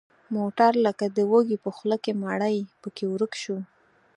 موټر لکه د وږي په خوله کې مړۍ پکې ورک شو.